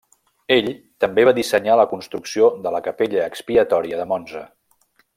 El també va dissenyar la construcció de la Capella Expiatòria de Monza.